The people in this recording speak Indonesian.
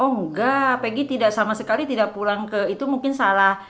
oh enggak peggy tidak sama sekali tidak pulang ke itu mungkin salah